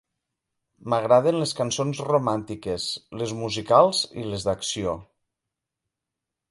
M'agraden les cançons romàntiques, les musicals i les d'acció.